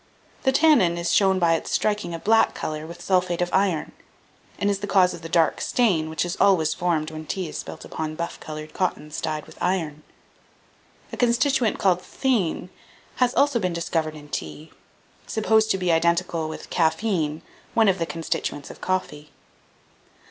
The tannin is shown by its striking a black colour with sulphate of iron, and is the cause of the dark stain which is always formed when tea is spilt upon buff coloured cottons dyed with iron. A constituent called Theine has also been discovered in tea, supposed to be identical with Caffeine, one of the constituents of coffee.